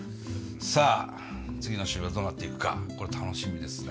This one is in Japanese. さあ次の週はどうなっていくかこれ楽しみですね。